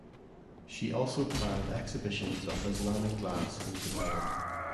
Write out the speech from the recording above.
She also planned exhibitions of Islamic glass in Japan.